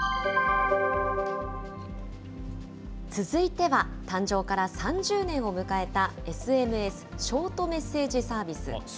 続いては、誕生から３０年を迎えたＳＭＳ・ショートメッセージサービス。